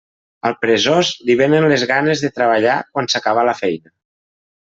Al peresós, li vénen les ganes de treballar quan s'acaba la feina.